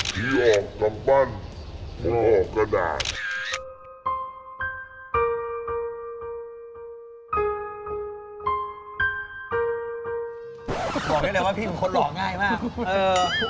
บอกเลยว่าพี่เป็นคนหล่อง่ายมากเออ